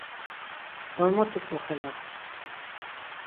Ğormotik goxelas.